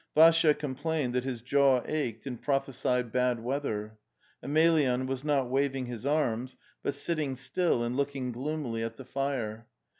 ... Vassya complained that his jaw ached, and prophesied bad weather; Emelyan was not waving his arms, but sitting still and looking gloomily at the fire.